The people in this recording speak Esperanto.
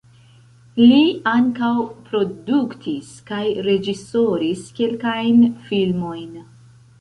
Li ankaŭ produktis kaj reĝisoris kelkajn filmojn.